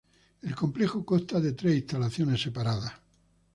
El complejo consta de tres instalaciones separadas.